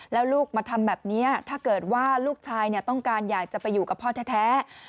แล้วลูกมาทำแบบนี้ถ้าเกิดว่าลูกชายต้องการอยากจะไปอยู่กับพ่อแท้